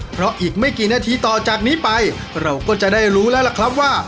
เพราะอีกไม่กี่นาทีต่อจากนี้ไปเราก็จะได้รู้แล้วล่ะครับว่า